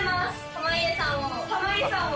濱家さんを。